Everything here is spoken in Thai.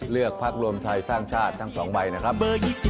เลือกพักรวมไทยสร้างชาติทั้ง๒ใบนะครับ